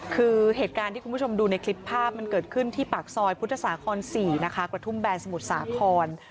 คือเหตุการณ์ที่คุณผู้ชมดูในคลิปภาพมันเกิดขึ้นที่ปากซอยพุทธศาคอน๔นะคะกระทุ่มแบนสมุทรสาคร